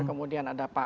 kemudian ada pak halil